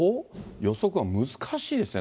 予測が難しいですね。